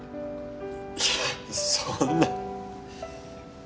いやそんな。